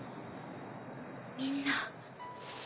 みんな。